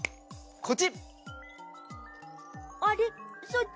こっち。